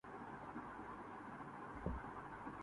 ہم سے تیرے کوچے نے نقش مدعا پایا